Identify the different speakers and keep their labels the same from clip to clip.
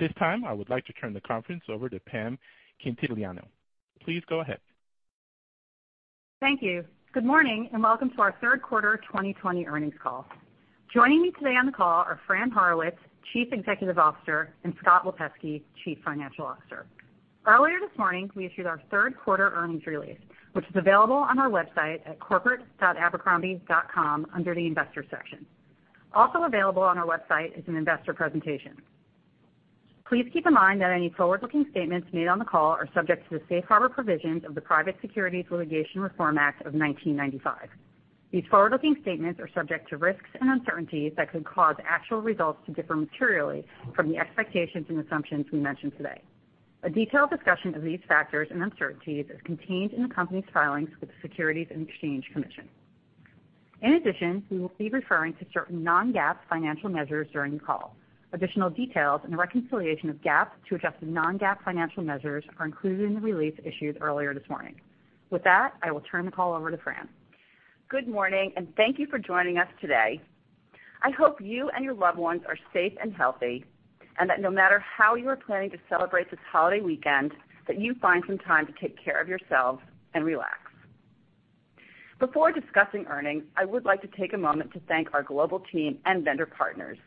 Speaker 1: At this time, I would like to turn the conference over to Pam Quintiliano. Please go ahead.
Speaker 2: Thank you. Good morning, and welcome to our third quarter 2020 earnings call. Joining me today on the call are Fran Horowitz, Chief Executive Officer, and Scott Lipesky, Chief Financial Officer. Earlier this morning, we issued our third quarter earnings release, which is available on our website at corporate.abercrombie.com under the investor section. Also available on our website is an investor presentation. Please keep in mind that any forward-looking statements made on the call are subject to the safe harbor provisions of the Private Securities Litigation Reform Act of 1995. These forward-looking statements are subject to risks and uncertainties that could cause actual results to differ materially from the expectations and assumptions we mention today. A detailed discussion of these factors and uncertainties is contained in the company's filings with the Securities and Exchange Commission. In addition, we will be referring to certain non-GAAP financial measures during the call. Additional details and the reconciliation of GAAP to adjusted non-GAAP financial measures are included in the release issued earlier this morning. With that, I will turn the call over to Fran.
Speaker 3: Good morning. Thank you for joining us today. I hope you and your loved ones are safe and healthy, and that no matter how you are planning to celebrate this holiday weekend, that you find some time to take care of yourselves and relax. Before discussing earnings, I would like to take a moment to thank our global team and vendor partners.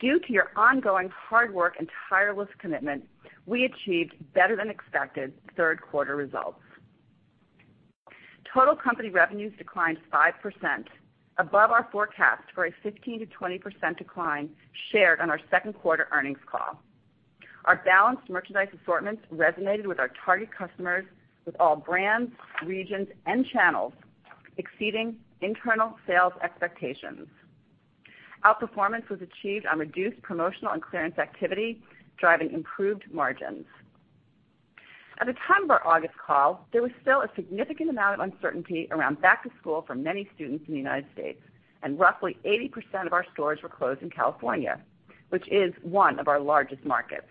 Speaker 3: Due to your ongoing hard work and tireless commitment, we achieved better-than-expected third quarter results. Total company revenues declined 5%, above our forecast for a 15%-20% decline shared on our second quarter earnings call. Our balanced merchandise assortments resonated with our target customers with all brands, regions, and channels exceeding internal sales expectations. Outperformance was achieved on reduced promotional and clearance activity, driving improved margins. At the time of our August call, there was still a significant amount of uncertainty around back to school for many students in the U.S., and roughly 80% of our stores were closed in California, which is one of our largest markets.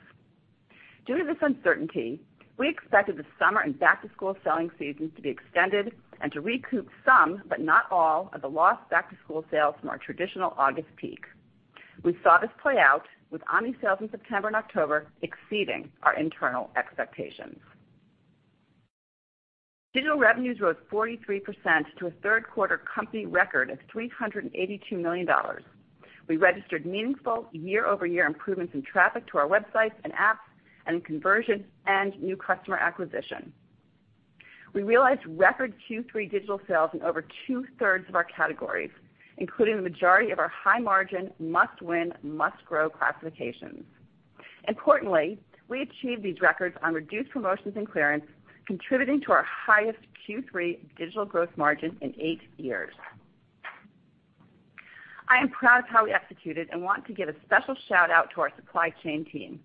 Speaker 3: Due to this uncertainty, we expected the summer and back-to-school selling seasons to be extended and to recoup some, but not all, of the lost back-to-school sales from our traditional August peak. We saw this play out with omni-sales in September and October exceeding our internal expectations. Digital revenues rose 43% to a third quarter company record of $382 million. We registered meaningful year-over-year improvements in traffic to our websites and apps and conversion and new customer acquisition. We realized record Q3 digital sales in over two-thirds of our categories, including the majority of our high-margin, must-win, must-grow classifications. Importantly, we achieved these records on reduced promotions and clearance, contributing to our highest Q3 digital gross margin in eight years. I am proud of how we executed and want to give a special shout-out to our supply chain team,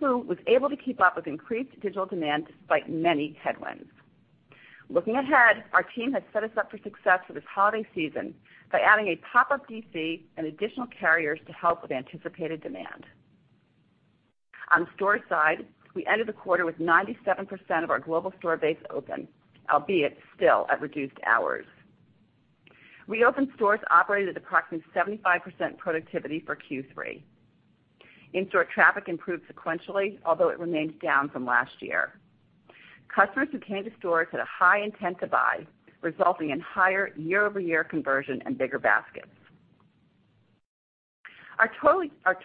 Speaker 3: who was able to keep up with increased digital demand despite many headwinds. Looking ahead, our team has set us up for success for this holiday season by adding a pop-up DC and additional carriers to help with anticipated demand. On the store side, we ended the quarter with 97% of our global store base open, albeit still at reduced hours. Reopened stores operated at approximately 75% productivity for Q3. In-store traffic improved sequentially, although it remains down from last year. Customers who came to stores had a high intent to buy, resulting in higher year-over-year conversion and bigger baskets. Our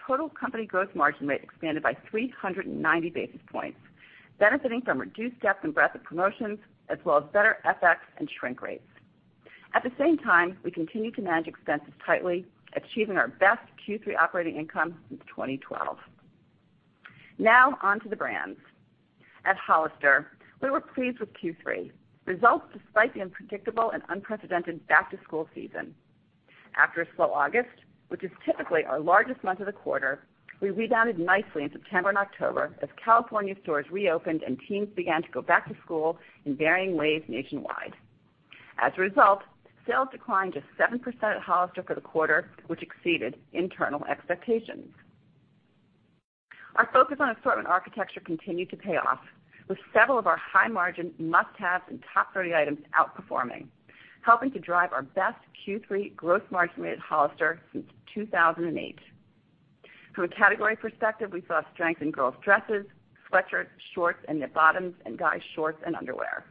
Speaker 3: total company gross margin rate expanded by 390 basis points, benefiting from reduced depth and breadth of promotions as well as better FX and shrink rates. At the same time, we continued to manage expenses tightly, achieving our best Q3 operating income since 2012. Now on to the brands. At Hollister, we were pleased with Q3 results despite the unpredictable and unprecedented back-to-school season. After a slow August, which is typically our largest month of the quarter, we rebounded nicely in September and October as California stores reopened and teens began to go back to school in varying ways nationwide. As a result, sales declined just 7% at Hollister for the quarter, which exceeded internal expectations. Our focus on assortment architecture continued to pay off with several of our high-margin must-haves and top 30 items outperforming, helping to drive our best Q3 gross margin rate at Hollister since 2008. From a category perspective, we saw strength in girls' dresses, sweatshirts, shorts, and knit bottoms, and guys' shorts and underwear.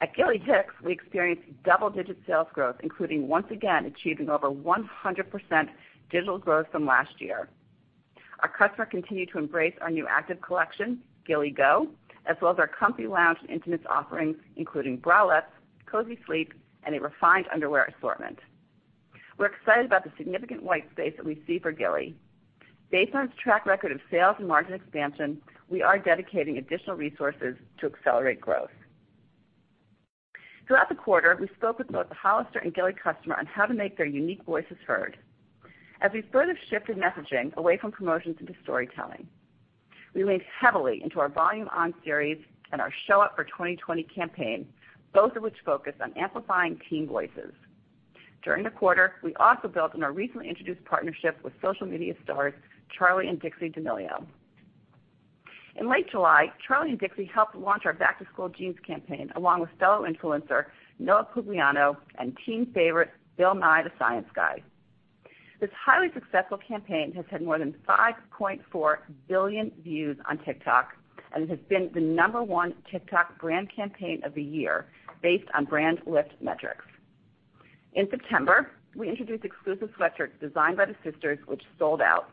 Speaker 3: At Gilly Hicks, we experienced double-digit sales growth, including once again achieving over 100% digital growth from last year. Our customer continued to embrace our new active collection, Gilly Go, as well as our comfy lounge and intimates offerings, including bralettes, cozy sleep, and a refined underwear assortment. We're excited about the significant white space that we see for Gilly. Based on its track record of sales and margin expansion, we are dedicating additional resources to accelerate growth. Throughout the quarter, we spoke with both the Hollister and Gilly customer on how to make their unique voices heard as we further shifted messaging away from promotions into storytelling. We leaned heavily into our Volume ON series and our Show Up for 2020 campaign, both of which focus on amplifying teen voices. During the quarter, we also built on our recently introduced partnership with social media stars Charli and Dixie D'Amelio. In late July, Charli and Dixie helped launch our back-to-school jeans campaign, along with fellow influencer Noah Pugliano and teen favorite Bill Nye, the Science Guy. This highly successful campaign has had more than 5.4 billion views on TikTok, and it has been the number one TikTok brand campaign of the year based on brand lift metrics. In September, we introduced exclusive sweatshirts designed by the sisters, which sold out.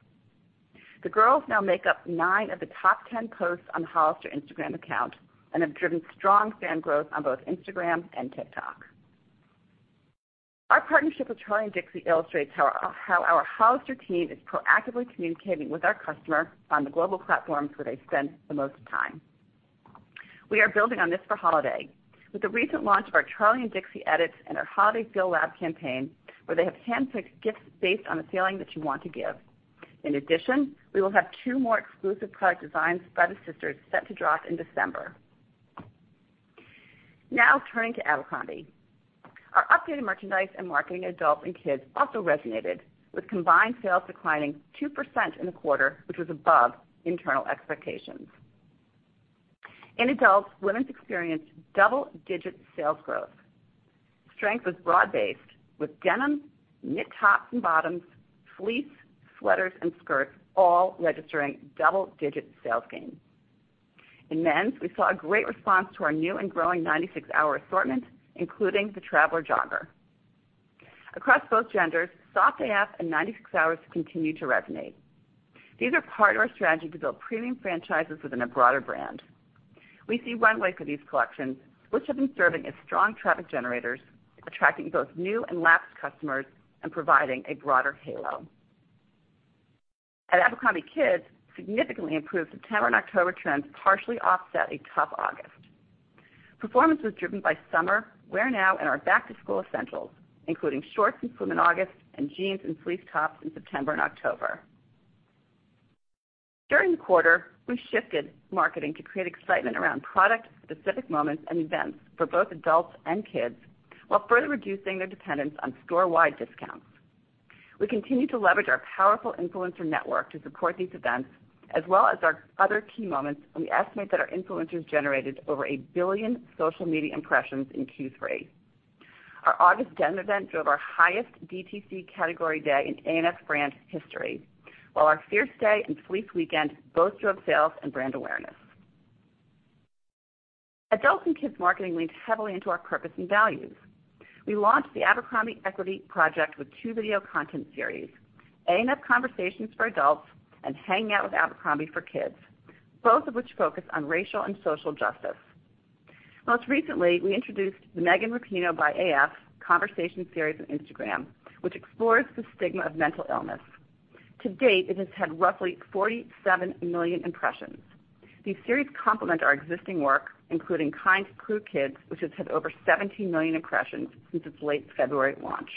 Speaker 3: The girls now make up nine of the top 10 posts on the Hollister Instagram account and have driven strong fan growth on both Instagram and TikTok. Our partnership with Charli and Dixie illustrates how our Hollister team is proactively communicating with our customer on the global platforms where they spend the most time. We are building on this for holiday. With the recent launch of our Charli and Dixie edits and our Holiday Gift Lab campaign, where they have handpicked gifts based on the feeling that you want to give. In addition, we will have two more exclusive product designs by the sisters set to drop in December. Now turning to Abercrombie. Our updated merchandise and marketing in adult and kids also resonated, with combined sales declining 2% in the quarter, which was above internal expectations. In adults, women's experienced double-digit sales growth. Strength was broad-based, with denim, knit tops and bottoms, fleece, sweaters, and skirts all registering double-digit sales gains. In men's, we saw a great response to our new and growing 96 Hour assortment, including the Traveler Jogger. Across both genders, Soft AF and 96 Hours continue to resonate. These are part of our strategy to build premium franchises within a broader brand. We see runway for these collections, which have been serving as strong traffic generators, attracting both new and lapsed customers and providing a broader halo. At abercrombie kids, significantly improved September and October trends partially offset a tough August. Performance was driven by summer wear now in our back-to-school essentials, including shorts and swim in August and jeans and fleece tops in September and October. During the quarter, we shifted marketing to create excitement around product-specific moments and events for both adults and kids while further reducing their dependence on storewide discounts. We continue to leverage our powerful influencer network to support these events as well as our other key moments. We estimate that our influencers generated over 1 billion social media impressions in Q3. Our August denim event drove our highest DTC category day in ANF brand history, while our Fierce Day and Fleece Weekend both drove sales and brand awareness. Adults and kids marketing leans heavily into our purpose and values. We launched The Abercrombie Equity Project with two video content series, A&F Conversations for adults and Hanging Out with Abercrombie for kids, both of which focus on racial and social justice. Most recently, we introduced the Megan Rapinoe by AF conversation series on Instagram, which explores the stigma of mental illness. To-date, it has had roughly 47 million impressions. These series complement our existing work, including Kind Crew Kids, which has had over 17 million impressions since its late February launch.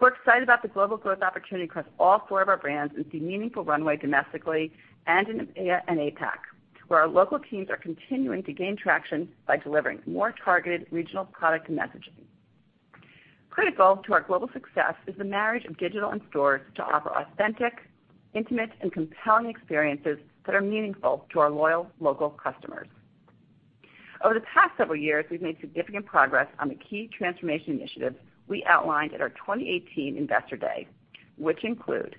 Speaker 3: We're excited about the global growth opportunity across all four of our brands and see meaningful runway domestically and in APAC, where our local teams are continuing to gain traction by delivering more targeted regional product messaging. Critical to our global success is the marriage of digital and stores to offer authentic, intimate, and compelling experiences that are meaningful to our loyal local customers. Over the past several years, we've made significant progress on the key transformation initiatives we outlined at our 2018 Investor Day, which include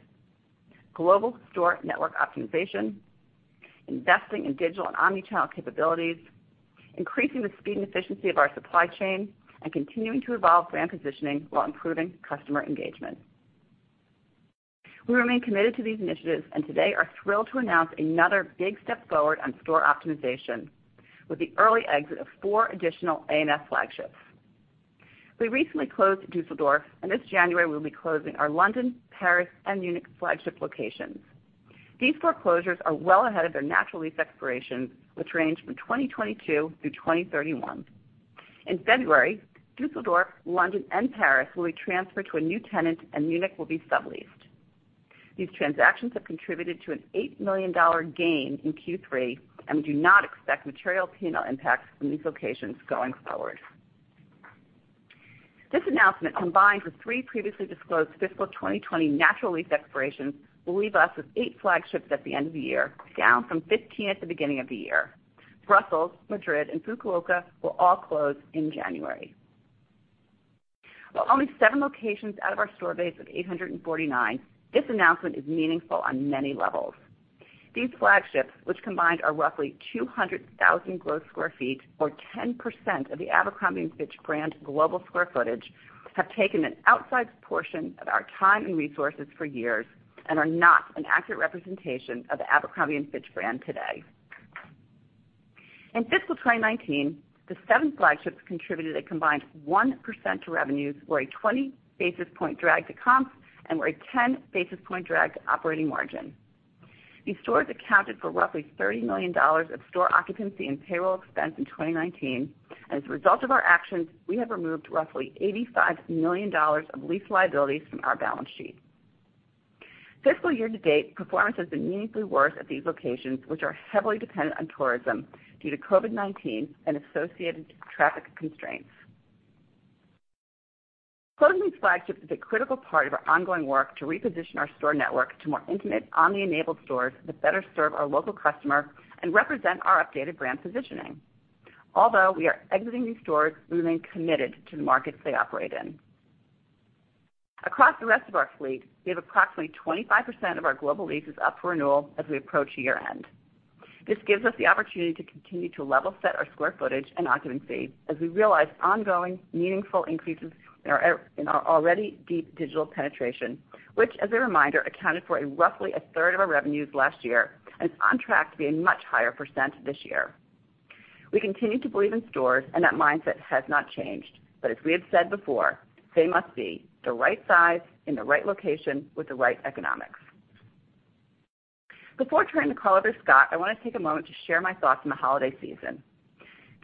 Speaker 3: global store network optimization, investing in digital and omnichannel capabilities, increasing the speed and efficiency of our supply chain, and continuing to evolve brand positioning while improving customer engagement. We remain committed to these initiatives and today are thrilled to announce another big step forward on store optimization with the early exit of four additional ANF flagships. We recently closed Düsseldorf, and this January, we'll be closing our London, Paris, and Munich flagship locations. These four closures are well ahead of their natural lease expirations, which range from 2022-2031. In February, Düsseldorf, London, and Paris will be transferred to a new tenant, and Munich will be subleased. These transactions have contributed to an $8 million gain in Q3, and we do not expect material P&L impacts from these locations going forward. This announcement, combined with three previously disclosed fiscal 2020 natural lease expirations, will leave us with eight flagships at the end of the year, down from 15 at the beginning of the year. Brussels, Madrid, and Fukuoka will all close in January. While only seven locations out of our store base of 849, this announcement is meaningful on many levels. These flagships, which combined are roughly 200,000 gross square feet or 10% of the Abercrombie & Fitch brand global square footage, have taken an outsized portion of our time and resources for years and are not an accurate representation of the Abercrombie & Fitch brand today. In fiscal 2019, the seven flagships contributed a combined 1% to revenues or a 20 basis point drag to comps and were a 10 basis point drag to operating margin. These stores accounted for roughly $30 million of store occupancy and payroll expense in 2019, and as a result of our actions, we have removed roughly $85 million of lease liabilities from our balance sheet. Fiscal year to date, performance has been meaningfully worse at these locations, which are heavily dependent on tourism due to COVID-19 and associated traffic constraints. Closing these flagships is a critical part of our ongoing work to reposition our store network to more intimate omni-enabled stores that better serve our local customer and represent our updated brand positioning. Although we are exiting these stores, we remain committed to the markets they operate in. Across the rest of our fleet, we have approximately 25% of our global leases up for renewal as we approach year-end. This gives us the opportunity to continue to level set our square footage and occupancy as we realize ongoing meaningful increases in our already deep digital penetration, which, as a reminder, accounted for roughly a third of our revenues last year and is on track to be a much higher percent this year. We continue to believe in stores, and that mindset has not changed. As we have said before, they must be the right size in the right location with the right economics. Before turning the call over to Scott, I want to take a moment to share my thoughts on the holiday season.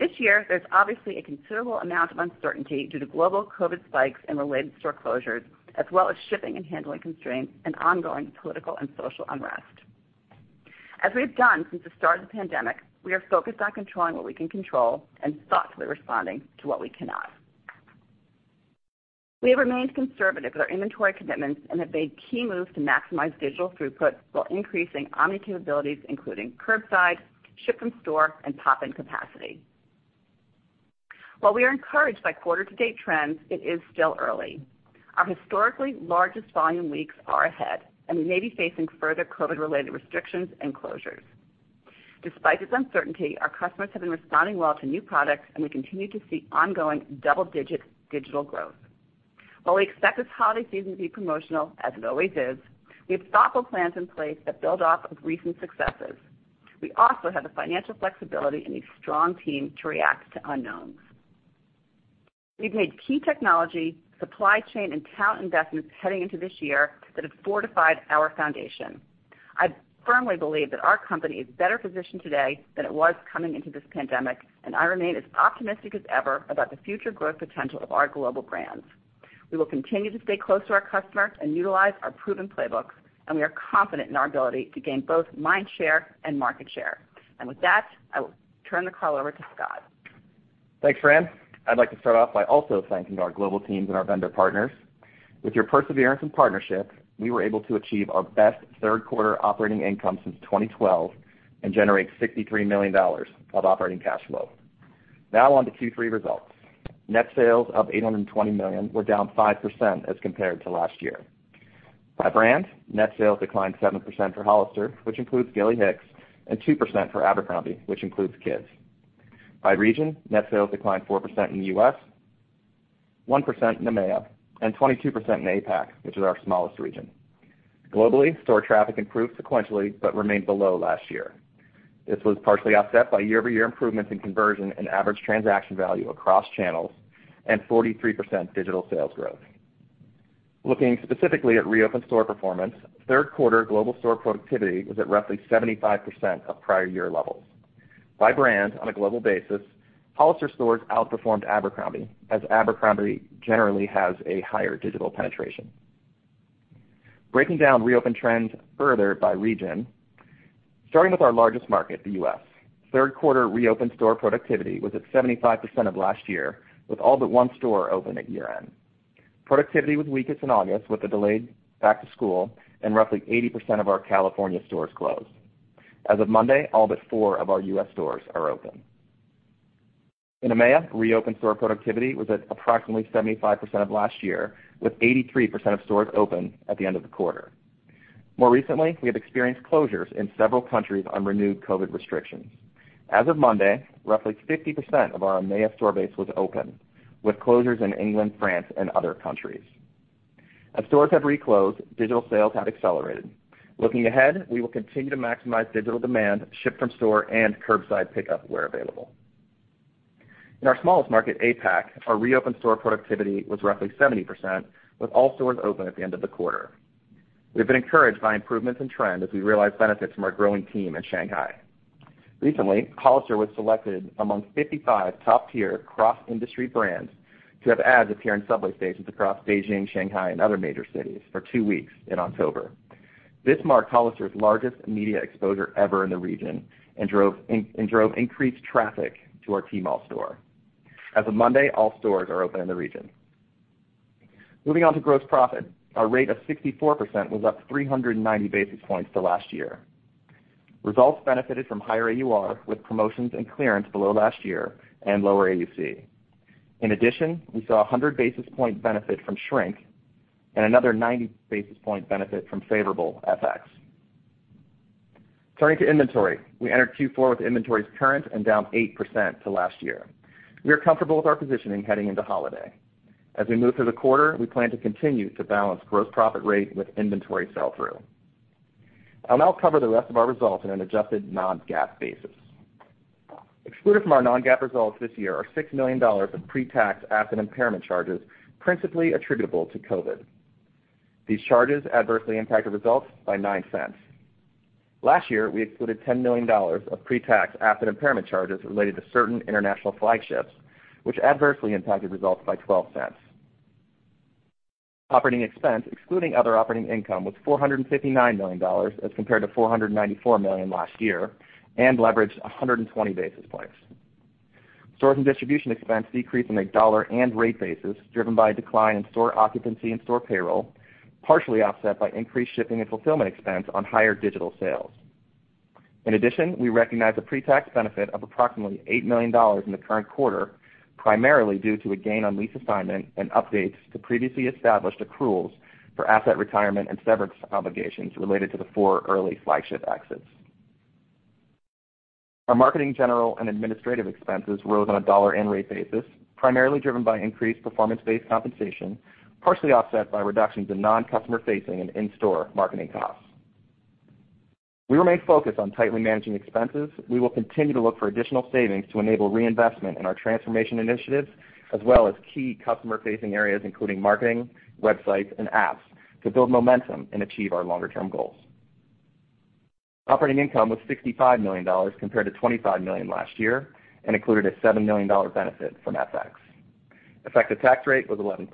Speaker 3: This year, there's obviously a considerable amount of uncertainty due to global COVID spikes and related store closures, as well as shipping and handling constraints and ongoing political and social unrest. As we have done since the start of the pandemic, we are focused on controlling what we can control and thoughtfully responding to what we cannot. We have remained conservative with our inventory commitments and have made key moves to maximize digital throughput while increasing omni capabilities, including curbside, ship from store, and pop-in capacity. While we are encouraged by quarter to date trends, it is still early. Our historically largest volume weeks are ahead, and we may be facing further COVID-related restrictions and closures. Despite this uncertainty, our customers have been responding well to new products, and we continue to see ongoing double-digit digital growth. While we expect this holiday season to be promotional, as it always is, we have thoughtful plans in place that build off of recent successes. We also have the financial flexibility and a strong team to react to unknowns. We've made key technology, supply chain, and talent investments heading into this year that have fortified our foundation. I firmly believe that our company is better positioned today than it was coming into this pandemic, and I remain as optimistic as ever about the future growth potential of our global brands. We will continue to stay close to our customers and utilize our proven playbooks, we are confident in our ability to gain both mind share and market share. With that, I will turn the call over to Scott.
Speaker 4: Thanks, Fran. I'd like to start off by also thanking our global teams and our vendor partners. With your perseverance and partnership, we were able to achieve our best third quarter operating income since 2012 and generate $63 million of operating cash flow. Now on to Q3 results. Net sales of $820 million were down 5% as compared to last year. By brand, net sales declined 7% for Hollister, which includes Gilly Hicks, and 2% for Abercrombie, which includes Kids. By region, net sales declined 4% in the U.S., 1% in EMEA, and 22% in APAC, which is our smallest region. Globally, store traffic improved sequentially but remained below last year. This was partially offset by year-over-year improvements in conversion and average transaction value across channels and 43% digital sales growth. Looking specifically at reopened store performance, third quarter global store productivity was at roughly 75% of prior year levels. By brand on a global basis, Hollister stores outperformed Abercrombie, as Abercrombie generally has a higher digital penetration. Breaking down reopened trends further by region, starting with our largest market, the U.S. Third quarter reopened store productivity was at 75% of last year, with all but one store open at year-end. Productivity was weakest in August with the delayed back to school and roughly 80% of our California stores closed. As of Monday, all but four of our U.S. stores are open. In EMEA, re-opened store productivity was at approximately 75% of last year, with 83% of stores open at the end of the quarter. More recently, we have experienced closures in several countries on renewed COVID restrictions. As of Monday, roughly 50% of our EMEA store base was open, with closures in England, France, and other countries. As stores have re-closed, digital sales have accelerated. Looking ahead, we will continue to maximize digital demand, ship from store, and curbside pickup where available. In our smallest market, APAC, our re-opened store productivity was roughly 70%, with all stores open at the end of the quarter. We've been encouraged by improvements in trend as we realize benefits from our growing team in Shanghai. Recently, Hollister was selected among 55 top-tier cross-industry brands to have ads appear in subway stations across Beijing, Shanghai, and other major cities for two weeks in October. This marked Hollister's largest media exposure ever in the region and drove increased traffic to our Tmall store. As of Monday, all stores are open in the region. Moving on to gross profit. Our rate of 64% was up 390 basis points to last year. Results benefited from higher AUR with promotions and clearance below last year and lower AUC. In addition, we saw a 100 basis point benefit from shrink and another 90 basis point benefit from favorable FX. Turning to inventory. We entered Q4 with inventories current and down 8% to last year. We are comfortable with our positioning heading into holiday. As we move through the quarter, we plan to continue to balance gross profit rate with inventory sell-through. I'll now cover the rest of our results in an adjusted non-GAAP basis. Excluded from our non-GAAP results this year are $6 million of pre-tax asset impairment charges principally attributable to COVID. These charges adversely impacted results by $0.09. Last year, we excluded $10 million of pre-tax asset impairment charges related to certain international flagships, which adversely impacted results by $0.12. Operating expense, excluding other operating income, was $459 million as compared to $494 million last year and leveraged 120 basis points. Store and distribution expense decreased on a dollar and rate basis, driven by a decline in store occupancy and store payroll, partially offset by increased shipping and fulfillment expense on higher digital sales. In addition, we recognized a pre-tax benefit of approximately $8 million in the current quarter, primarily due to a gain on lease assignment and updates to previously established accruals for asset retirement and severance obligations related to the four early flagship exits. Our marketing, general, and administrative expenses rose on a dollar and rate basis, primarily driven by increased performance-based compensation, partially offset by reductions in non-customer facing and in-store marketing costs. We remain focused on tightly managing expenses. We will continue to look for additional savings to enable re-investment in our transformation initiatives as well as key customer-facing areas, including marketing, websites, and apps, to build momentum and achieve our longer-term goals. Operating income was $65 million, compared to $25 million last year, and included a $7 million benefit from FX. Effective tax rate was 11%.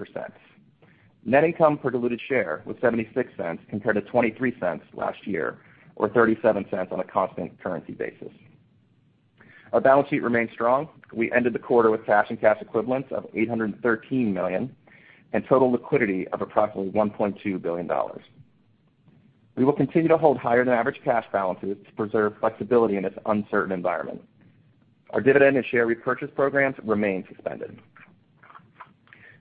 Speaker 4: Net income per diluted share was $0.76 compared to $0.23 last year, or $0.37 on a constant currency basis. Our balance sheet remains strong. We ended the quarter with cash and cash equivalents of $813 million and total liquidity of approximately $1.2 billion. We will continue to hold higher than average cash balances to preserve flexibility in this uncertain environment. Our dividend and share repurchase programs remain suspended.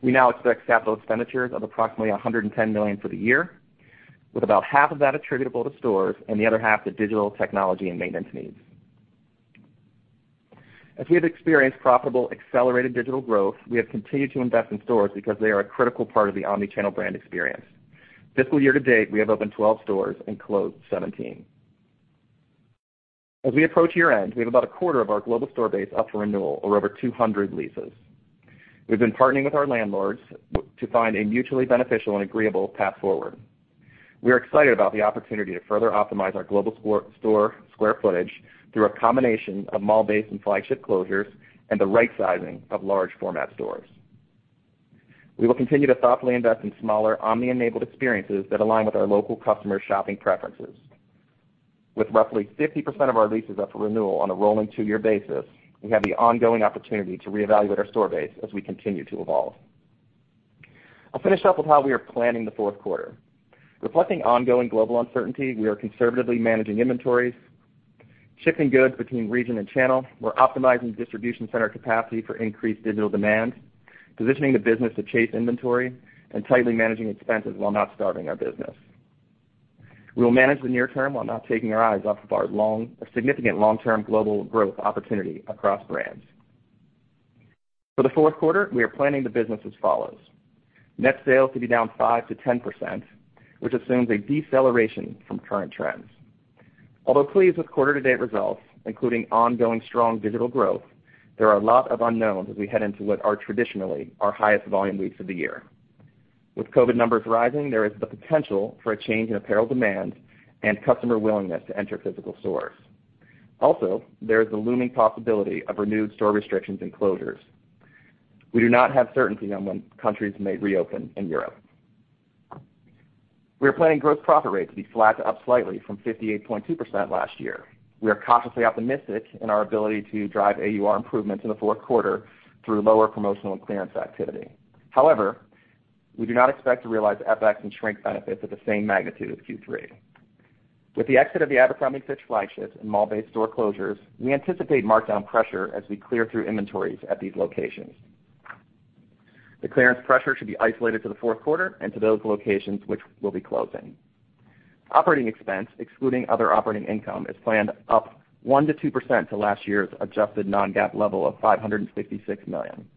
Speaker 4: We now expect capital expenditures of approximately $110 million for the year, with about half of that attributable to stores and the other half to digital technology and maintenance needs. As we have experienced profitable accelerated digital growth, we have continued to invest in stores because they are a critical part of the omni-channel brand experience. Fiscal year-to-date, we have opened 12 stores and closed 17. As we approach year-end, we have about a quarter of our global store base up for renewal, or over 200 leases. We've been partnering with our landlords to find a mutually beneficial and agreeable path forward. We are excited about the opportunity to further optimize our global store square footage through a combination of mall-based and flagship closures and the right sizing of large format stores. We will continue to thoughtfully invest in smaller omni-enabled experiences that align with our local customer shopping preferences. With roughly 50% of our leases up for renewal on a rolling two-year basis, we have the ongoing opportunity to reevaluate our store base as we continue to evolve. I'll finish up with how we are planning the fourth quarter. Reflecting ongoing global uncertainty, we are conservatively managing inventories, shipping goods between region and channel. We're optimizing distribution center capacity for increased digital demand, positioning the business to chase inventory, and tightly managing expenses while not starving our business. We will manage the near term while not taking our eyes off of our significant long-term global growth opportunity across brands. For the fourth quarter, we are planning the business as follows. Net sales to be down 5%-10%, which assumes a deceleration from current trends. Although pleased with quarter-to-date results, including ongoing strong digital growth, there are a lot of unknowns as we head into what are traditionally our highest volume weeks of the year. With COVID numbers rising, there is the potential for a change in apparel demand and customer willingness to enter physical stores. There is the looming possibility of renewed store restrictions and closures. We do not have certainty on when countries may reopen in Europe. We are planning gross profit rate to be flat to up slightly from 58.2% last year. We are cautiously optimistic in our ability to drive AUR improvements in the fourth quarter through lower promotional and clearance activity. However, we do not expect to realize FX and shrink benefits at the same magnitude as Q3. With the exit of the Abercrombie & Fitch flagships and mall-based store closures, we anticipate markdown pressure as we clear through inventories at these locations. The clearance pressure should be isolated to the fourth quarter and to those locations which will be closing. Operating expense, excluding other operating income, is planned up 1%-2% to last year's adjusted non-GAAP level of $556 million,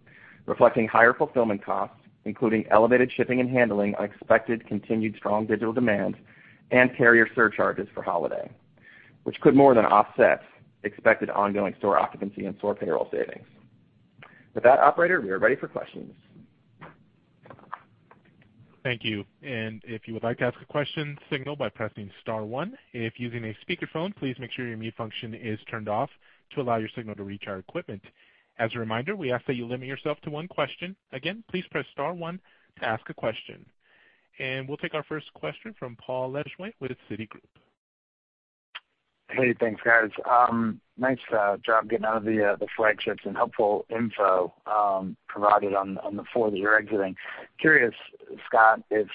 Speaker 4: reflecting higher fulfillment costs, including elevated shipping and handling on expected continued strong digital demand and carrier surcharges for holiday, which could more than offset expected ongoing store occupancy and store payroll savings. With that, operator, we are ready for questions.
Speaker 1: Thank you. If you would like to ask a question, signal by pressing star one. If using a speakerphone, please make sure your mute function is turned off to allow your signal to reach our equipment. As a reminder, we ask that you limit yourself to one question. Again, please press star one to ask a question. We'll take our first question from Paul Lejuez with Citigroup.
Speaker 5: Hey, thanks, guys. Nice job getting out of the flagships and helpful info provided on the four that you're exiting. Curious, Scott, if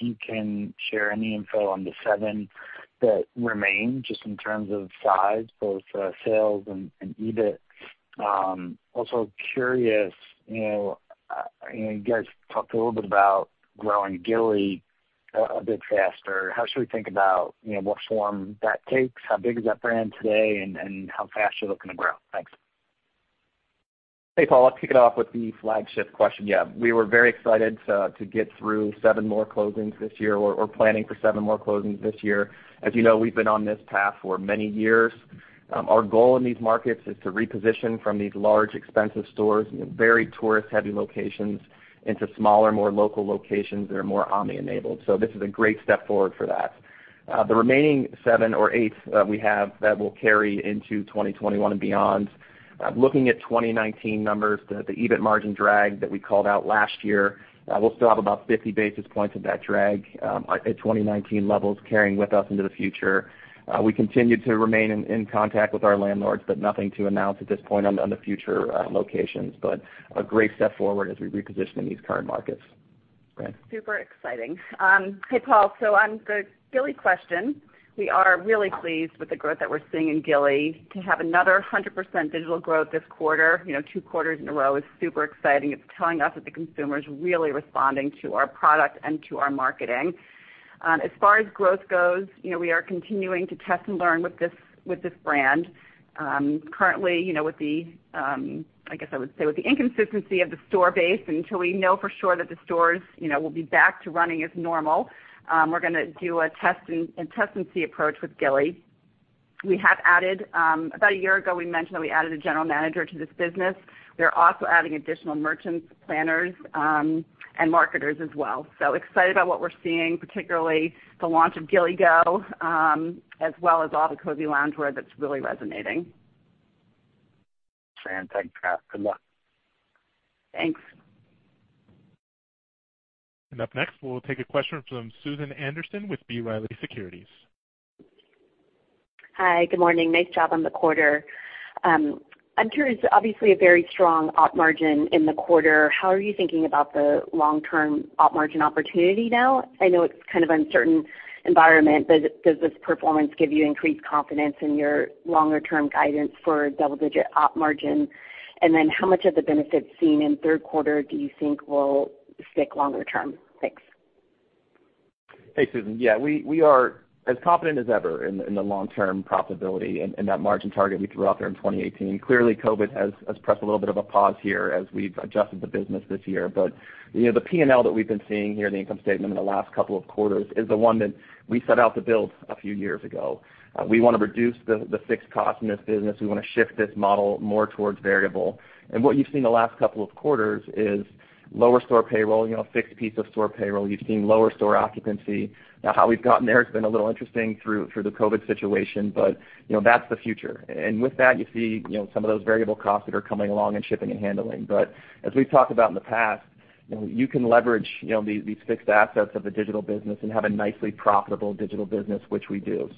Speaker 5: you can share any info on the seven that remain, just in terms of size, both sales and EBIT. Also curious, you guys talked a little bit about growing Gilly a bit faster. How should we think about what form that takes? How big is that brand today, and how fast you're looking to grow? Thanks.
Speaker 4: Hey, Paul. I'll kick it off with the flagship question. We were very excited to get through 7 more closings this year. We're planning for 7 more closings this year. As you know, we've been on this path for many years. Our goal in these markets is to reposition from these large, expensive stores in very tourist-heavy locations into smaller, more local locations that are more omni-enabled. This is a great step forward for that. The remaining 7 or 8 that we have that will carry into 2021 and beyond. Looking at 2019 numbers, the EBIT margin drag that we called out last year, we'll still have about 50 basis points of that drag at 2019 levels carrying with us into the future. We continue to remain in contact with our landlords, but nothing to announce at this point on the future locations. A great step forward as we reposition in these current markets. Fran?
Speaker 3: Super exciting. Hey, Paul. On the Gilly question, we are really pleased with the growth that we're seeing in Gilly. To have another 100% digital growth this quarter, two quarters in a row is super exciting. It's telling us that the consumer is really responding to our product and to our marketing. As far as growth goes, we are continuing to test and learn with this brand. Currently, with the, I guess I would say, with the inconsistency of the store base, until we know for sure that the stores will be back to running as normal, we're going to do a test-and-see approach with Gilly. About a year ago, we mentioned that we added a general manager to this business. We are also adding additional merchants, planners, and marketers as well. Excited about what we're seeing, particularly the launch of Gilly Go, as well as all the cozy loungewear that's really resonating.
Speaker 5: Fran, thanks. Scott, good luck.
Speaker 3: Thanks.
Speaker 1: Up next, we'll take a question from Susan Anderson with B. Riley Securities.
Speaker 6: Hi. Good morning. Nice job on the quarter. I'm curious, obviously a very strong op margin in the quarter. How are you thinking about the long-term op margin opportunity now? I know it's kind of uncertain environment, but does this performance give you increased confidence in your longer-term guidance for double-digit op margin? Then how much of the benefits seen in third quarter do you think will stick longer term? Thanks.
Speaker 4: Hey, Susan. Yeah. We are as confident as ever in the long-term profitability and that margin target we threw out there in 2018. Clearly, COVID has pressed a little bit of a pause here as we've adjusted the business this year. The P&L that we've been seeing here, the income statement in the last couple of quarters, is the one that we set out to build a few years ago. We want to reduce the fixed cost in this business. We want to shift this model more towards variable. What you've seen the last couple of quarters is lower store payroll, fixed piece of store payroll. You've seen lower store occupancy. How we've gotten there has been a little interesting through the COVID situation, but that's the future. With that, you see some of those variable costs that are coming along in shipping and handling. As we've talked about in the past, you can leverage these fixed assets of the digital business and have a nicely profitable digital business, which we do.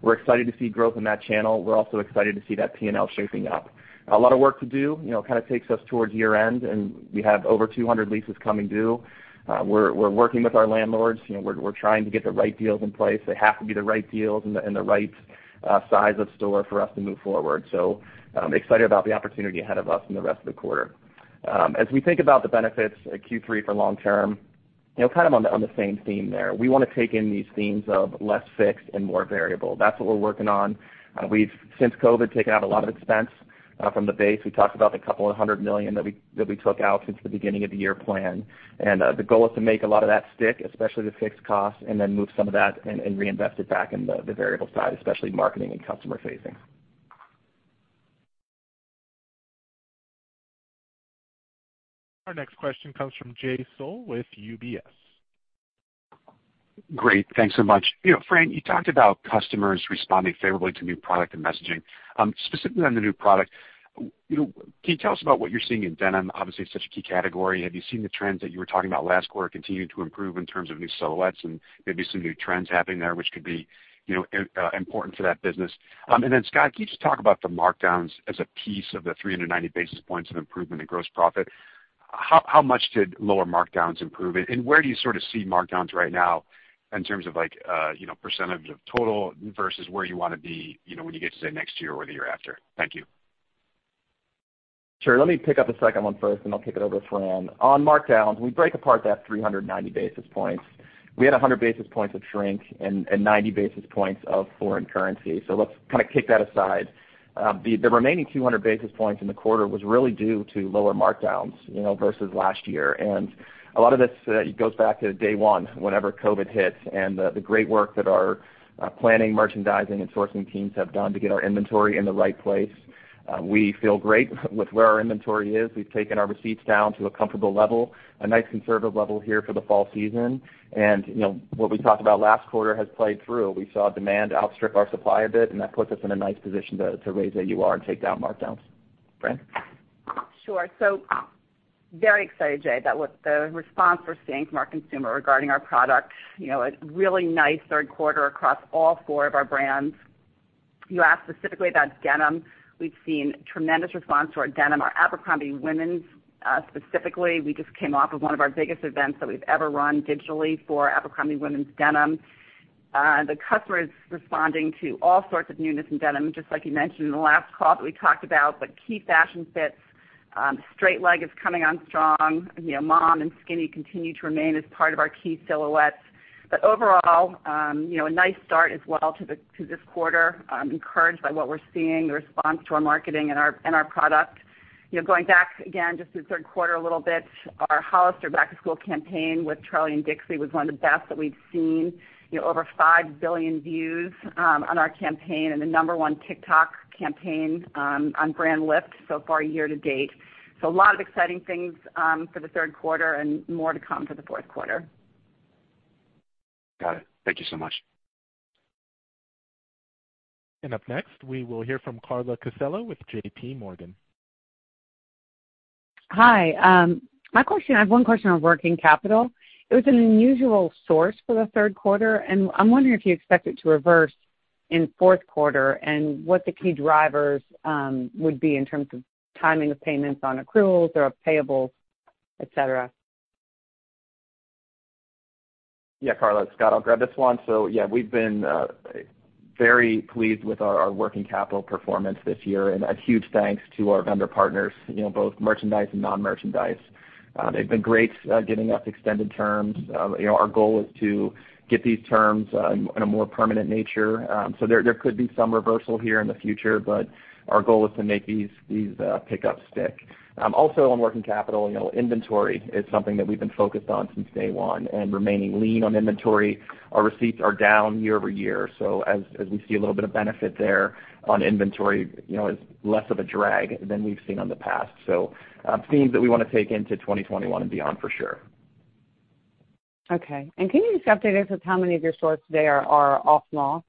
Speaker 4: We're excited to see growth in that channel. We're also excited to see that P&L shaping up. A lot of work to do, it takes us towards year end, and we have over 200 leases coming due. We're working with our landlords. We're trying to get the right deals in place. They have to be the right deals and the right size of store for us to move forward. Excited about the opportunity ahead of us in the rest of the quarter. As we think about the benefits at Q3 for long term, on the same theme there. We want to take in these themes of less fixed and more variable. That's what we're working on. We've, since COVID, taken out a lot of expense from the base. We talked about the couple of hundred million dollars that we took out since the beginning of the year plan. The goal is to make a lot of that stick, especially the fixed costs, and then move some of that and reinvest it back in the variable side, especially marketing and customer facing.
Speaker 1: Our next question comes from Jay Sole with UBS.
Speaker 7: Great. Thanks so much. Fran, you talked about customers responding favorably to new product and messaging. Specifically on the new product, can you tell us about what you're seeing in denim? Obviously, such a key category. Have you seen the trends that you were talking about last quarter continue to improve in terms of new silhouettes and maybe some new trends happening there which could be important to that business? Scott, can you just talk about the markdowns as a piece of the 390 basis points of improvement in gross profit? How much did lower markdowns improve it, and where do you see markdowns right now in terms of percentage of total versus where you want to be when you get to, say, next year or the year after? Thank you.
Speaker 4: Sure. Let me pick up the second one first, then I'll kick it over to Fran. On markdowns, when we break apart that 390 basis points, we had 100 basis points of shrink and 90 basis points of foreign currency. Let's kick that aside. The remaining 200 basis points in the quarter was really due to lower markdowns versus last year. A lot of this goes back to day one, whenever COVID hit, and the great work that our planning, merchandising, and sourcing teams have done to get our inventory in the right place. We feel great with where our inventory is. We've taken our receipts down to a comfortable level, a nice conservative level here for the fall season. What we talked about last quarter has played through. We saw demand outstrip our supply a bit, and that puts us in a nice position to raise AUR and take down markdowns. Fran?
Speaker 3: Sure. Very excited, Jay, about the response we're seeing from our consumer regarding our product. A really nice third quarter across all four of our brands. You asked specifically about denim. We've seen tremendous response to our denim, our Abercrombie women's specifically. We just came off of one of our biggest events that we've ever run digitally for Abercrombie women's denim. The customer is responding to all sorts of newness in denim, just like you mentioned in the last call that we talked about, but key fashion fits. Straight leg is coming on strong. Mom and skinny continue to remain as part of our key silhouettes. Overall, a nice start as well to this quarter. I'm encouraged by what we're seeing, the response to our marketing and our product. Going back again just to the third quarter a little bit, our Hollister back to school campaign with Charli and Dixie was one of the best that we've seen. Over 5 billion views on our campaign and the number one TikTok campaign on brand lift so far year to date. A lot of exciting things for the third quarter and more to come for the fourth quarter.
Speaker 7: Got it. Thank you so much.
Speaker 1: Up next, we will hear from Carla Casella with JPMorgan.
Speaker 8: Hi. I have one question on working capital. It was an unusual source for the third quarter. I'm wondering if you expect it to reverse in fourth quarter. What the key drivers would be in terms of timing of payments on accruals or payables, et cetera.
Speaker 4: Carla, it's Scott. I'll grab this one. We've been very pleased with our working capital performance this year, and a huge thanks to our vendor partners, both merchandise and non-merchandise. They've been great giving us extended terms. Our goal is to get these terms in a more permanent nature. There could be some reversal here in the future, but our goal is to make these pickups stick. Also on working capital, inventory is something that we've been focused on since day one and remaining lean on inventory. Our receipts are down year-over-year, as we see a little bit of benefit there on inventory, it's less of a drag than we've seen in the past. Themes that we want to take into 2021 and beyond for sure.
Speaker 8: Okay. Can you just update us with how many of your stores today are off mall?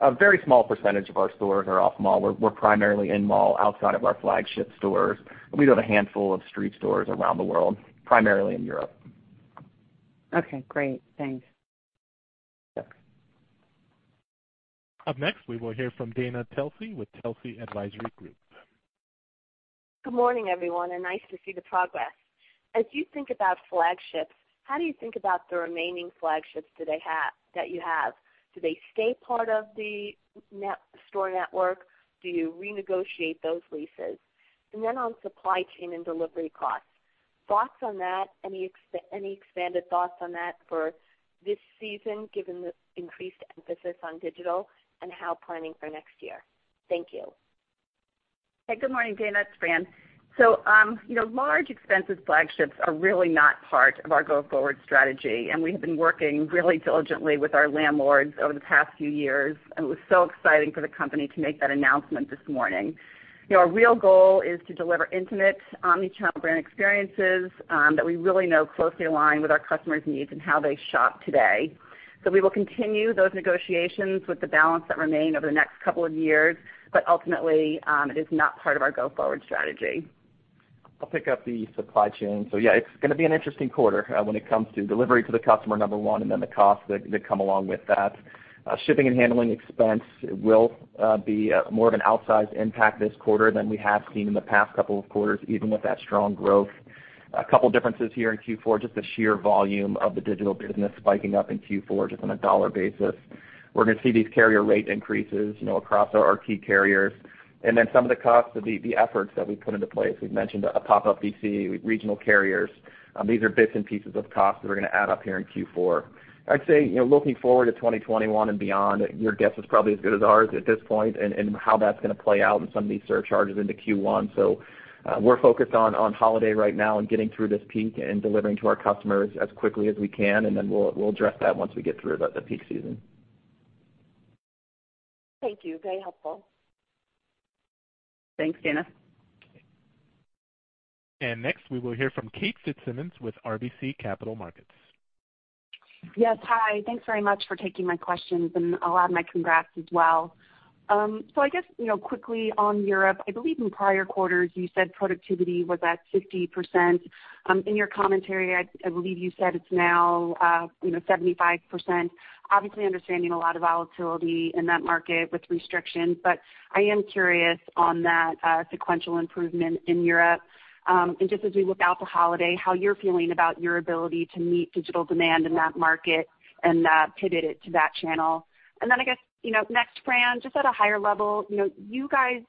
Speaker 4: A very small percentage of our stores are off mall. We're primarily in mall outside of our flagship stores. We do have a handful of street stores around the world, primarily in Europe.
Speaker 8: Okay, great. Thanks.
Speaker 4: Yep.
Speaker 1: Up next, we will hear from Dana Telsey with Telsey Advisory Group.
Speaker 9: Good morning, everyone, and nice to see the progress. As you think about flagships, how do you think about the remaining flagships that you have? Do they stay part of the store network? Do you renegotiate those leases? On supply chain and delivery costs, thoughts on that, any expanded thoughts on that for this season, given the increased emphasis on digital and how planning for next year? Thank you.
Speaker 3: Hey, good morning, Dana. It's Fran. Large, expensive flagships are really not part of our go-forward strategy, and we have been working really diligently with our landlords over the past few years, and it was so exciting for the company to make that announcement this morning. Our real goal is to deliver intimate omnichannel brand experiences that we really know closely align with our customers' needs and how they shop today. We will continue those negotiations with the balance that remain over the next couple of years, but ultimately, it is not part of our go-forward strategy.
Speaker 4: I'll pick up the supply chain. Yeah, it's going to be an interesting quarter when it comes to delivery to the customer, number 1, then the costs that come along with that. Shipping and handling expense will be more of an outsized impact this quarter than we have seen in the past couple of quarters, even with that strong growth. A couple differences here in Q4, just the sheer volume of the digital business spiking up in Q4 just on a dollar basis. We're going to see these carrier rate increases across our key carriers. Then some of the costs of the efforts that we've put into place. We've mentioned a pop-up DC with regional carriers. These are bits and pieces of costs that are going to add up here in Q4. I'd say, looking forward to 2021 and beyond, your guess is probably as good as ours at this point and how that's going to play out in some of these surcharges into Q1. We're focused on holiday right now and getting through this peak and delivering to our customers as quickly as we can, and then we'll address that once we get through the peak season.
Speaker 9: Thank you. Very helpful.
Speaker 3: Thanks, Dana.
Speaker 1: Next, we will hear from Kate Fitzsimons with RBC Capital Markets.
Speaker 10: Yes, hi. Thanks very much for taking my questions, and I'll add my congrats as well. I guess, quickly on Europe, I believe in prior quarters, you said productivity was at 50%. In your commentary, I believe you said it's now 75%. Obviously, understanding a lot of volatility in that market with restrictions, but I am curious on that sequential improvement in Europe. Just as we look out to Holiday, how you're feeling about your ability to meet digital demand in that market and pivot it to that channel. I guess, next, Fran, just at a higher level, you guys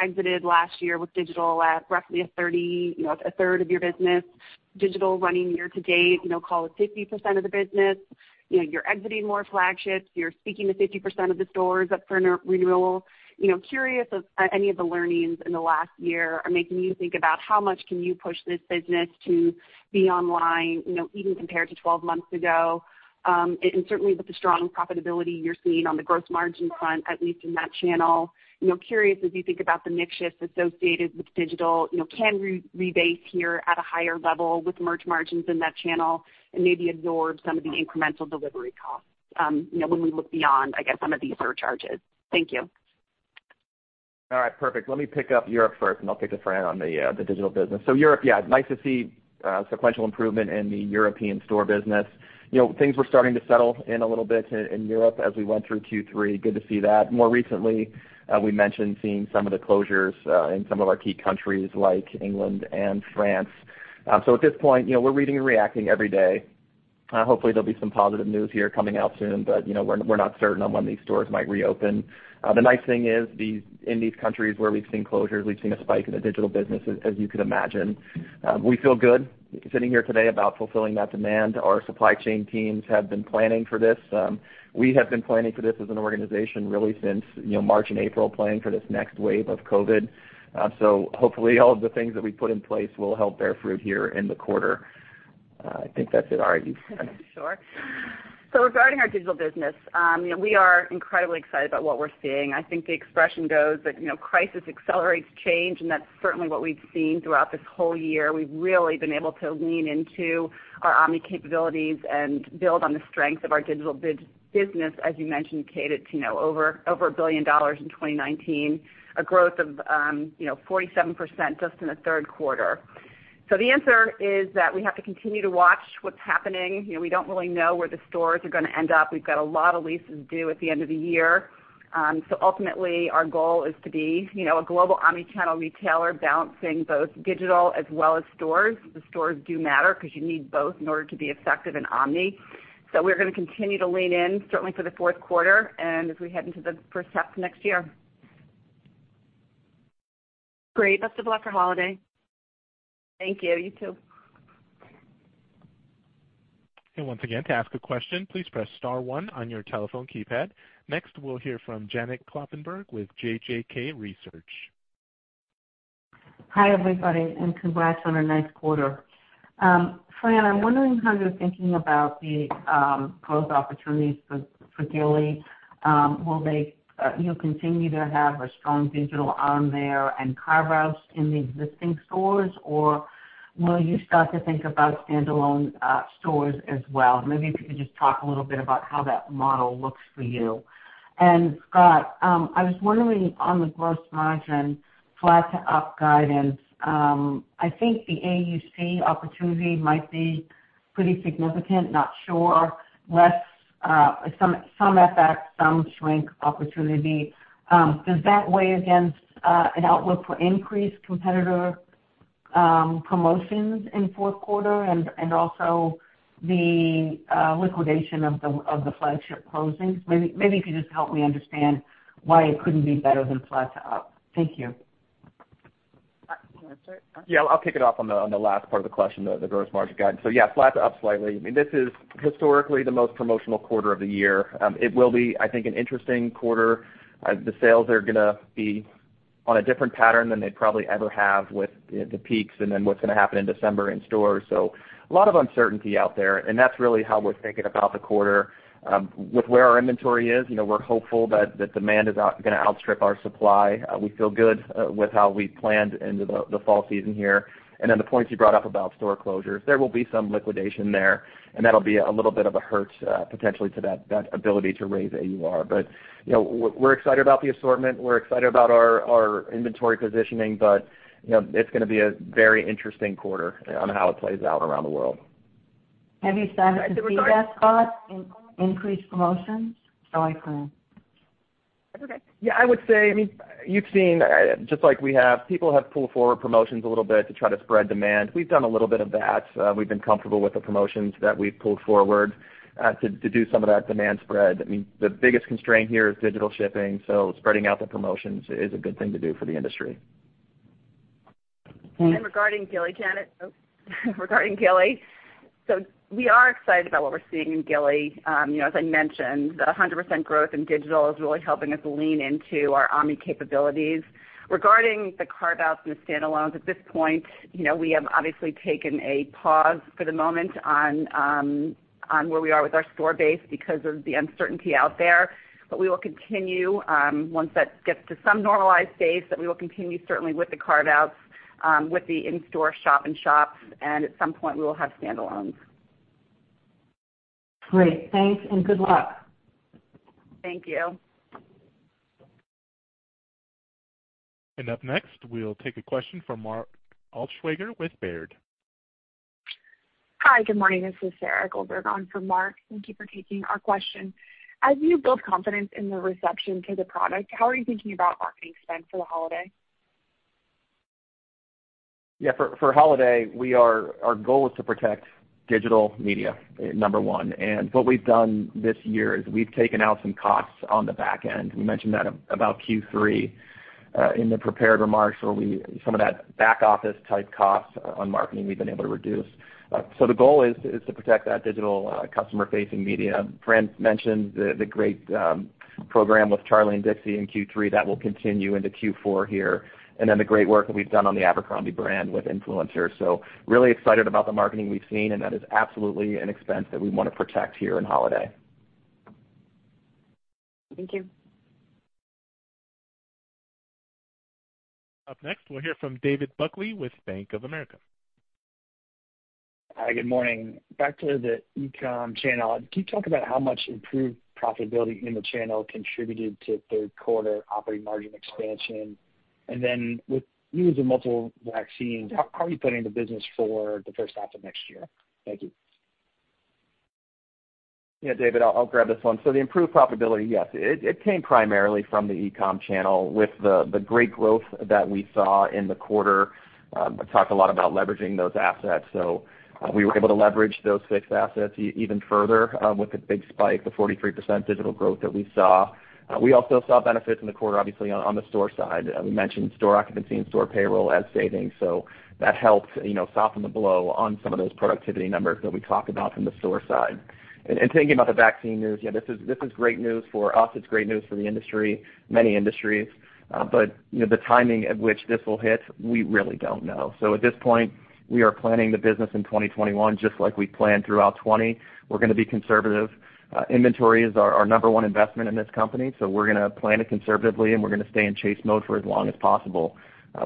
Speaker 10: exited last year with digital at roughly a third of your business, digital running year-to-date, call it 50% of the business. You're exiting more flagships. You're speaking to 50% of the stores up for renewal. Curious if any of the learnings in the last year are making you think about how much can you push this business to be online, even compared to 12 months ago. Certainly with the strong profitability you're seeing on the gross margin front, at least in that channel. Curious as you think about the mix shifts associated with digital, can we rebase here at a higher level with merch margins in that channel and maybe absorb some of the incremental delivery costs when we look beyond, I guess, some of these surcharges. Thank you.
Speaker 4: All right, perfect. Let me pick up Europe first, I'll kick to Fran on the digital business. Europe, yeah, nice to see sequential improvement in the European store business. Things were starting to settle in a little bit in Europe as we went through Q3. Good to see that. More recently, we mentioned seeing some of the closures in some of our key countries, like England and France. At this point, we're reading and reacting every day. Hopefully there'll be some positive news here coming out soon, we're not certain on when these stores might reopen. The nice thing is, in these countries where we've seen closures, we've seen a spike in the digital business, as you can imagine. We feel good sitting here today about fulfilling that demand. Our supply chain teams have been planning for this. We have been planning for this as an organization really since March and April, planning for this next wave of COVID. Hopefully all of the things that we put in place will help bear fruit here in the quarter. I think that's it, Kate.
Speaker 10: Sure.
Speaker 3: Regarding our digital business, we are incredibly excited about what we're seeing. I think the expression goes that, crisis accelerates change, and that's certainly what we've seen throughout this whole year. We've really been able to lean into our omni-capabilities and build on the strength of our digital business, as you mentioned, Kate, it's over $1 billion in 2019, a growth of 47% just in the third quarter. The answer is that we have to continue to watch what's happening. We don't really know where the stores are going to end up. We've got a lot of leases due at the end of the year. Ultimately, our goal is to be a global omni-channel retailer balancing both digital as well as stores. The stores do matter because you need both in order to be effective in omni. We're going to continue to lean in, certainly for the fourth quarter and as we head into the first half of next year.
Speaker 10: Great. Best of luck for holiday.
Speaker 3: Thank you. You too.
Speaker 1: Once again, to ask a question, please press star one on your telephone keypad. Next, we'll hear from Janet Kloppenburg with JJK Research.
Speaker 11: Hi, everybody. Congrats on a nice quarter. Fran, I'm wondering how you're thinking about the growth opportunities for Gilly. Will you continue to have a strong digital arm there and carve-outs in the existing stores, or will you start to think about standalone stores as well? Maybe if you could just talk a little bit about how that model looks for you. Scott, I was wondering on the gross margin flat to up guidance, I think the AUC opportunity might be pretty significant, not sure. Some effect, some shrink opportunity. Does that weigh against an outlook for increased competitor promotions in fourth quarter and also the liquidation of the flagship closings? Maybe you could just help me understand why it couldn't be better than flat to up. Thank you.
Speaker 3: Do you want to start, Scott?
Speaker 4: Yeah, I'll pick it up on the last part of the question, the gross margin guidance. Flat to up slightly. This is historically the most promotional quarter of the year. It will be, I think, an interesting quarter. The sales are going to be on a different pattern than they probably ever have with the peaks and then what's going to happen in December in stores. A lot of uncertainty out there, and that's really how we're thinking about the quarter. With where our inventory is, we're hopeful that demand is going to outstrip our supply. We feel good with how we planned into the fall season here, the points you brought up about store closures. There will be some liquidation there, and that'll be a little bit of a hurt, potentially, to that ability to raise AUR. We're excited about the assortment. We're excited about our inventory positioning. It's going to be a very interesting quarter on how it plays out around the world.
Speaker 11: Have you started to see that, Scott, in increased promotions? Sorry, Fran.
Speaker 4: That's okay. I would say, you've seen, just like we have, people have pulled forward promotions a little bit to try to spread demand. We've done a little bit of that. We've been comfortable with the promotions that we've pulled forward to do some of that demand spread. The biggest constraint here is digital shipping. Spreading out the promotions is a good thing to do for the industry.
Speaker 3: Regarding Gilly, Janet. We are excited about what we're seeing in Gilly. As I mentioned, the 100% growth in digital is really helping us lean into our omni capabilities. Regarding the carve-outs and the standalones, at this point we have obviously taken a pause for the moment on where we are with our store base because of the uncertainty out there. We will continue, once that gets to some normalized phase, that we will continue certainly with the carve-outs, with the in-store shop in shops, and at some point, we will have standalones.
Speaker 11: Great. Thanks and good luck.
Speaker 3: Thank you.
Speaker 1: Up next, we'll take a question from Mark Altschwager with Baird.
Speaker 12: Hi, good morning. This is Sarah Goldberg on for Mark. Thank you for taking our question. As you build confidence in the reception to the product, how are you thinking about marketing spend for the holiday?
Speaker 4: Yeah, for holiday, our goal is to protect digital media, number one. What we've done this year is we've taken out some costs on the back end. We mentioned that about Q3 in the prepared remarks where some of that back office type costs on marketing we've been able to reduce. The goal is to protect that digital customer facing media. Fran mentioned the great program with Charli and Dixie in Q3. That will continue into Q4 here. The great work that we've done on the Abercrombie brand with influencers. Really excited about the marketing we've seen, and that is absolutely an expense that we want to protect here in holiday.
Speaker 12: Thank you.
Speaker 1: Up next, we'll hear from David Buckley with Bank of America.
Speaker 13: Hi, good morning. Back to the e-com channel. Can you talk about how much improved profitability in the channel contributed to third quarter operating margin expansion? With news of multiple vaccines, how are you planning the business for the first half of next year? Thank you.
Speaker 4: David, I'll grab this one. The improved profitability, yes, it came primarily from the e-com channel with the great growth that we saw in the quarter. I talked a lot about leveraging those assets. We were able to leverage those fixed assets even further with the big spike, the 43% digital growth that we saw. We also saw benefits in the quarter, obviously, on the store side. We mentioned store occupancy and store payroll as savings. That helped soften the blow on some of those productivity numbers that we talked about from the store side. Thinking about the vaccine news, this is great news for us. It's great news for the industry, many industries. The timing at which this will hit, we really don't know. At this point, we are planning the business in 2021 just like we planned throughout 2020. We're going to be conservative. Inventory is our number one investment in this company, so we're going to plan it conservatively, and we're going to stay in chase mode for as long as possible.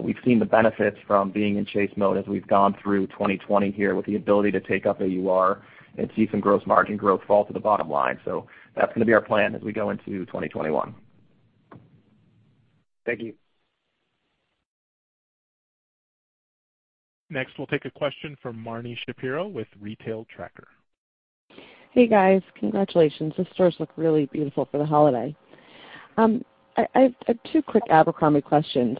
Speaker 4: We've seen the benefits from being in chase mode as we've gone through 2020 here with the ability to take up AUR and see some gross margin growth fall to the bottom line. That's going to be our plan as we go into 2021.
Speaker 13: Thank you.
Speaker 1: Next, we'll take a question from Marni Shapiro with The Retail Tracker.
Speaker 14: Hey, guys. Congratulations. The stores look really beautiful for the holiday. I have two quick Abercrombie questions.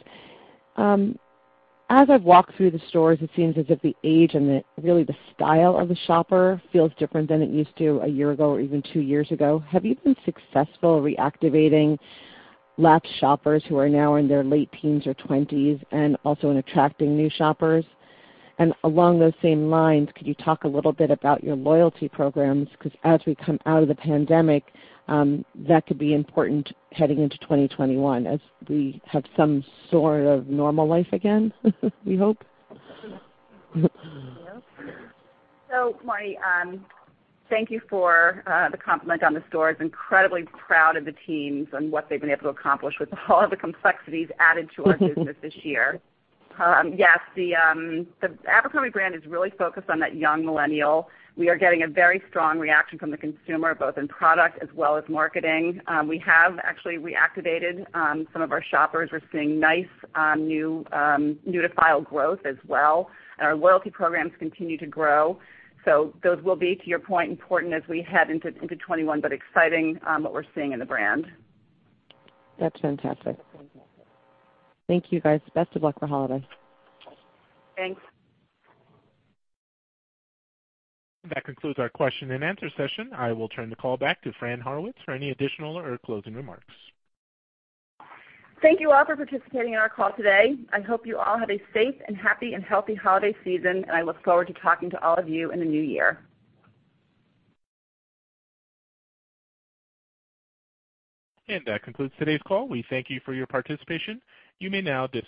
Speaker 14: As I've walked through the stores, it seems as if the age and really the style of the shopper feels different than it used to a year ago or even two years ago. Have you been successful reactivating lapsed shoppers who are now in their late teens or 20s, and also in attracting new shoppers? Along those same lines, could you talk a little bit about your loyalty programs? As we come out of the pandemic, that could be important heading into 2021 as we have some sort of normal life again, we hope.
Speaker 3: Marni, thank you for the compliment on the stores. Incredibly proud of the teams and what they've been able to accomplish with all of the complexities added to our business this year. The Abercrombie brand is really focused on that young millennial. We are getting a very strong reaction from the consumer, both in product as well as marketing. We have actually reactivated some of our shoppers. We're seeing nice new-to-file growth as well, and our loyalty programs continue to grow. Those will be, to your point, important as we head into 2021, but exciting what we're seeing in the brand.
Speaker 14: That's fantastic. Thank you, guys. Best of luck for holidays.
Speaker 3: Thanks.
Speaker 1: That concludes our question and answer session. I will turn the call back to Fran Horowitz for any additional or closing remarks.
Speaker 3: Thank you all for participating in our call today. I hope you all have a safe and happy and healthy holiday season, and I look forward to talking to all of you in the new year.
Speaker 1: That concludes today's call. We thank you for your participation. You may now disconnect.